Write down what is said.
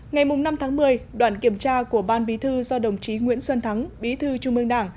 ngày năm tháng một mươi đoạn kiểm tra của ban bí thư do đồng chí nguyễn xuân thắng bí thư trung mương đảng